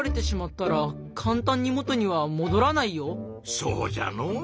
そうじゃの。